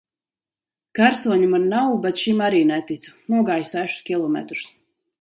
Karsoņa man nav, bet šim arī neticu. Nogāju sešus kilometrus.